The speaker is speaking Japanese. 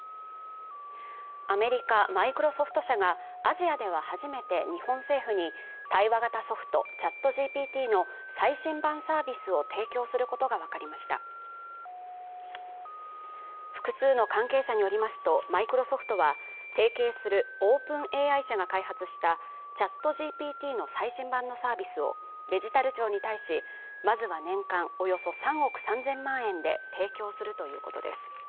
アメリカ・マイクロソフト社がアジアでは初めて日本政府に対話型ソフトＣｈａｔＧＰＴの最新版サービスを提供することが分かりました複数の関係者によりますとマイクロソフトは提携するＯｐｅｎＡＩ社が開発したＣｈａｔＧＰＴの最新版のサービスをデジタル庁に対しまずは年間およそ３億３０００万円で提供するということです